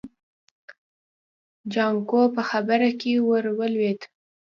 جانکو په خبره کې ور ولوېد.